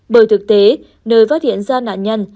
bởi thực tế nơi phát hiện ra nạn nhân